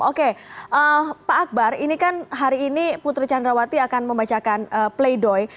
oke pak akbar ini kan hari ini putri candrawati akan membacakan play doh